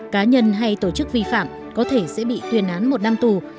cá nhân hay tổ chức vi phạm có thể sẽ bị tuyên án một năm tù